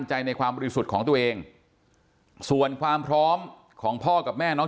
ในความบริสุทธิ์ของตัวเองส่วนความพร้อมของพ่อกับแม่น้อง